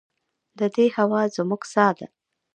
د دې هوا زموږ ساه ده